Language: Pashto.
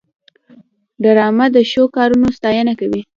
ډرامه د ښو کارونو ستاینه کوي